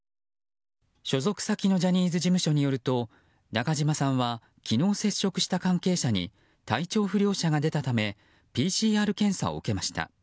所属先のジャニーズ事務所によると中島さんは昨日接触した関係者に体調不良者が出たためＰＣＲ検査を受けました。